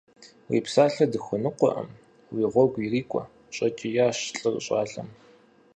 Уи псалъэ дыхуэныкъуэкъым, уи гъуэгу ирикӀуэ! – щӀэкӀиящ лӀыр щӀалэм.